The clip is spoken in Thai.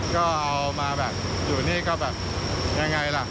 ก็เอามาอยู่นี่ก็ง่ายล่ะ